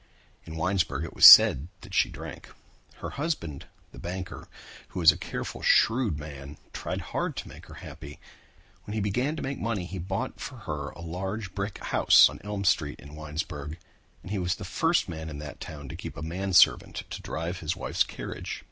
In Winesburg it was said that she drank. Her husband, the banker, who was a careful, shrewd man, tried hard to make her happy. When he began to make money he bought for her a large brick house on Elm Street in Winesburg and he was the first man in that town to keep a manservant to drive his wife's carriage.